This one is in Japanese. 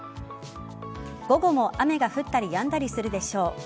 午後も雨が降ったりやんだりするでしょう。